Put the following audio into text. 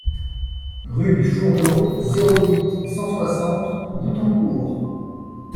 Rue du Fourneau, zéro huit, cent soixante Boutancourt